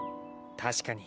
確かに。